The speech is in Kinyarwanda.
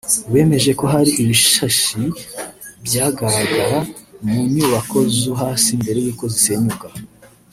bemeje ko hari ibishashi byagaragara mu nyubako zo hasi mbere y’uko zisenyuka